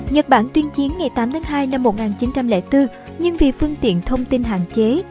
nhật bản tuyên chiến ngày tám tháng hai năm một nghìn chín trăm linh bốn nhưng vì phương tiện thông tin hạn chế